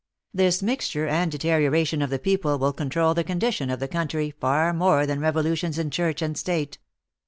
This mixture and deterioration of the people will control the condition of the country far more than revolutions in church and state.